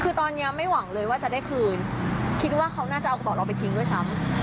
คือตอนนี้ไม่หวังเลยว่าจะได้คืนคิดว่าเขาน่าจะเอากระเป๋าเราไปทิ้งด้วยซ้ำ